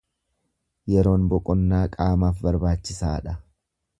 Yeroon boqonnaa qaamaaf barbaachisaa dha.